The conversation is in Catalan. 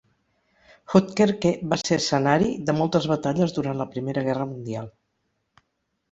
Houtkerque va ser escenari de moltes batalles durant la Primera Guerra Mundial.